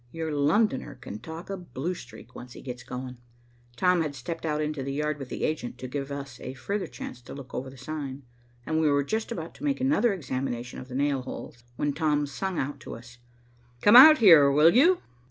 Your Londoner can talk a blue streak, once he gets going." Tom had stepped out into the yard with the agent to give us a further chance to look over the sign, and we were just about to make another examination of the nail holes, when Tom sung out to us, "Come out here, will you?"